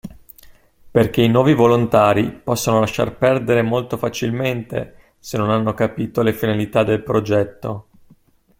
Perché i nuovi volontari possono lasciar perdere molto facilmente se non hanno capito le finalità del progetto.